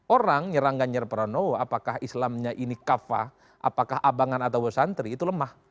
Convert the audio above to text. orang nyerang ganjar pranowo apakah islamnya ini kafah apakah abangan atau bersantri itu lemah